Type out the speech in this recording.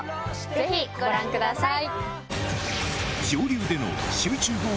ぜひご覧ください。